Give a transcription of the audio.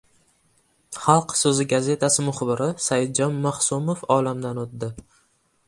"Xalq so‘zi" gazetasi muxbiri Saidjon Maxsumov olamdan o‘tdi